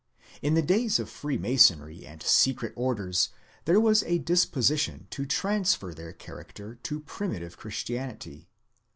In the days of freemasonry and secret orders, there was a disposition to transfer their character to primitive Christianity.